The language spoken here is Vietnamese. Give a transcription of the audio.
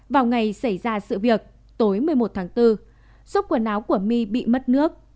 vào ngày xảy ra sự việc tối một mươi một tháng bốn số quần áo của my bị mất nước